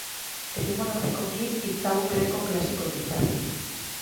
Etimologikoki, hitz hau greko klasikotik dator.